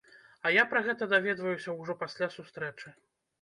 А я пра гэта даведваюся ўжо пасля сустрэчы.